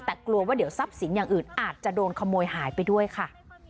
แต่กลัวว่าเดี๋ยวทรัพย์สินอย่างอื่นอาจจะโดนขโมยหายไปด้วยค่ะ